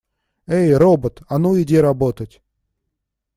Эй, робот, а ну иди работать!